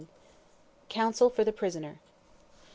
COUNSEL FOR THE PRISONER.